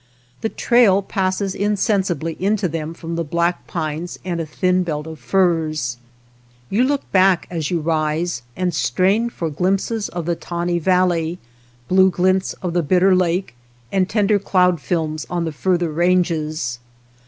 The trail passes insensibly into them from the black pines and a thin belt of firs. You look back as you rise, and strain for glimpses of the tawny val ley, blue glints of the Bitter Lake, and tender cloud films on the farther ranges.